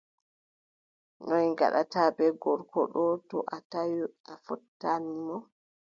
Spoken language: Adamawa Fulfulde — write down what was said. Noy ngaɗataa bee gorko ɗoo, to o tawi a fottani mo ?